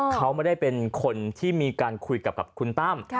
เขาไม่ได้เป็นคนที่มีการคุยกับคุณตั้ม